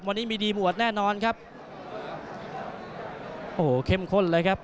วันนี้มีดีบวชแน่นอนครับโอ้โหเข้มข้นเลยครับ